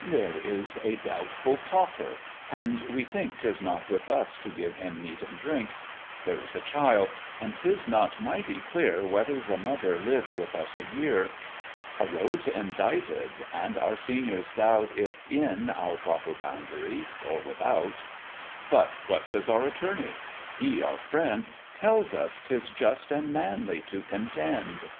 There is a doubtful Pauper, and we think 'Tis not with us to give him meat and drink; There is a Child; and 'tis not mighty clear Whether the mother lived with us a year: A Road's indicted, and our seniors doubt If in our proper boundary or without: But what says our attorney? He, our friend, Tells us 'tis just and manly to contend.